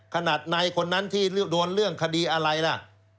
ขนาดในคนนั้นที่โดนเรื่องคดีอะไรล่ะ